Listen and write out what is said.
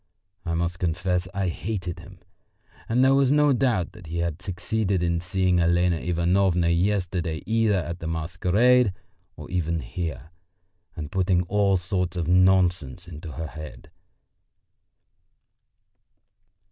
I must confess I hated him and there was no doubt that he had succeeded in seeing Elena Ivanovna yesterday either at the masquerade or even here, and putting all sorts of nonsense into her head.